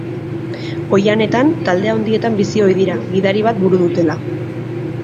Oihanetan, talde handietan bizi ohi dira, gidari bat buru dutela.